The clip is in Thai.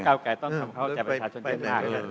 ไก่ต้องทำเข้าใจประชาชนเยอะมาก